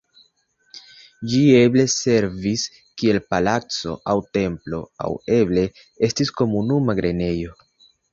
Ĝi eble servis kiel palaco aŭ templo aŭ eble estis komunuma grenejo.